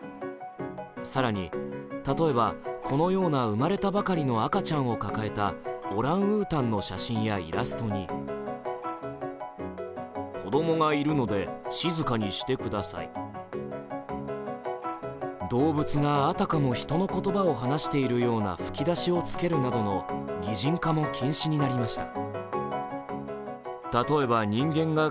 更に、例えばこのような生まれたばかりの赤ちゃんを抱えたオランウータンの写真やイラストに動物があたかも人の言葉を話しているような吹き出しをつけるなどの擬人化も禁止になりました。